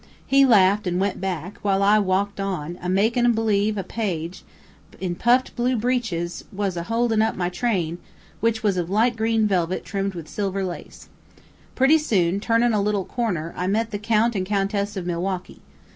He laughed an' went back, while I walked on, a makin' believe a page, in blue puffed breeches, was a holdin' up my train, which was of light green velvet trimmed with silver lace. Pretty soon, turnin' a little corner, I meets the Count and Countess of Milwaukee.